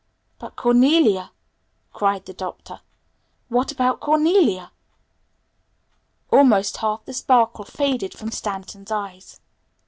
"But Cornelia?" cried the Doctor. "What about Cornelia?" Almost half the sparkle faded from Stanton's eyes.